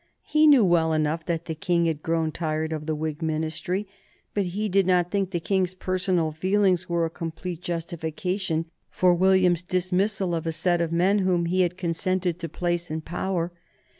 He knew well enough that the King had grown tired of the Whig Ministry, but he did not think the King's personal feelings were a complete justification for William's dismissal of a set of men whom he had consented to place in power.